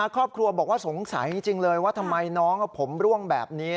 ครอบครัวบอกว่าสงสัยจริงเลยว่าทำไมน้องผมร่วงแบบนี้